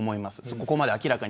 ここまで明らか